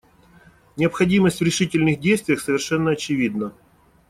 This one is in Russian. Необходимость в решительных действиях совершенно очевидна.